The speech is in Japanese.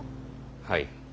はい。